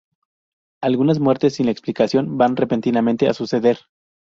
Algunas muertes sin la explicación van repentinamente a suceder.